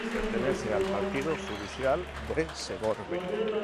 Pertenece al partido judicial de Segorbe.